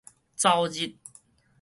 走日